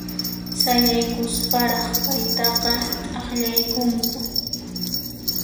Sayaykusparaq paytaqa t'aqllaykunku.